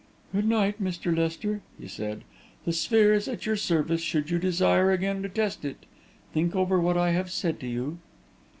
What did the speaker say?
"Good night, Mr. Lester," he said. "The sphere is at your service should you desire again to test it. Think over what I have said to you."